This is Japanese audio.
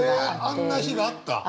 あんな日があった？